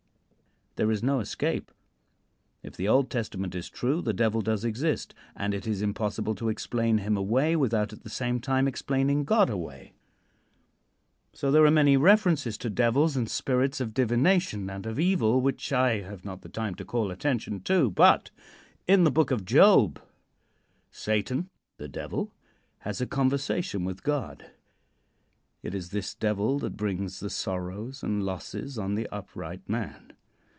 There is no escape. If the Old Testament is true, the Devil does exist, and it is impossible to explain him away without at the same time explaining God away. So there are many references to devils, and spirits of divination and of evil which I have not the time to call attention to; but, in the Book of Job, Satan, the Devil has a conversation with God. It is this Devil that brings the sorrows and losses on the upright man.